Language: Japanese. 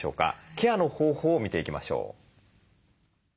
ケアの方法を見ていきましょう。